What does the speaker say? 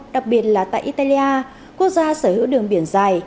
đặc biệt là tại italia quốc gia sở hữu đường biển dài